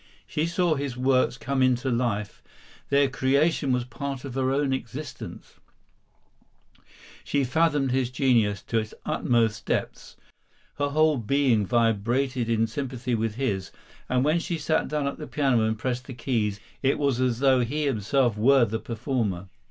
She saw his works come into life; their creation was part of her own existence; she fathomed his genius to its utmost depths; her whole being vibrated in sympathy with his, and when she sat down at the piano and pressed the keys, it was as though he himself were the performer.